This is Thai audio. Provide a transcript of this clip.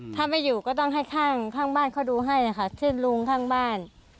ถ้าไม่อยู่ก็ต้องให้ข้างบ้านเขาดูให้นะคะชื่อลุงข้างบ้าน